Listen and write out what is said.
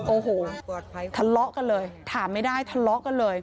โอ้โหทะเลาะกันเลยถามไม่ได้ทะเลาะกันเลย